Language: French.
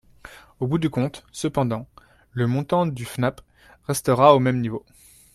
Au bout du compte, cependant, le montant du FNAP restera au même niveau.